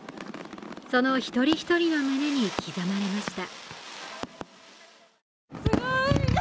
その一人一人の胸に刻まれました。